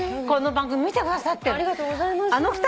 この番組見てくださってるの。